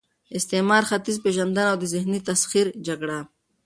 استعمار، ختیځ پېژندنه او د ذهني تسخیر جګړه